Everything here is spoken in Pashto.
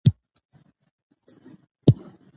تنوع د افغانستان د ځایي اقتصادونو بنسټ دی.